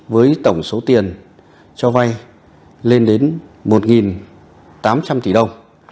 với tổng số tiền cho vay lên đến một tám trăm linh tỷ đồng